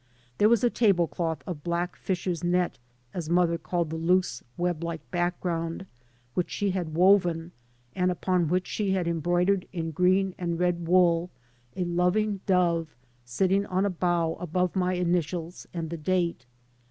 There was a table cloth of blade " fisher's net," as mother called the 3 by Google MY MOTHER AND I loose web like background which she had woven, and upon which she had embroidered in green and red wool, a loving dove sitting on a bough above my initials and the date.